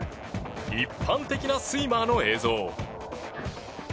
一般的なスイマーの映像。